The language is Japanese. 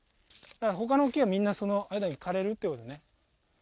だから他の木はみんなその間に枯れるっていうことね。